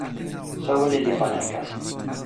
soweli li pana e kasi.